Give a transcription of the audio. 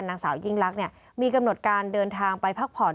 นางสาวยิ่งลักษณ์มีกำหนดการเดินทางไปพักผ่อน